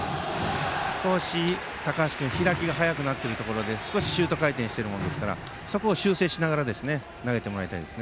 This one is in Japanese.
少し高橋君開きが早くなっているところでシュート回転しているのでそこを修正しながら投げてもらいたいです。